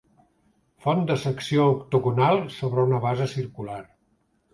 Font de secció octogonal sobre una base circular.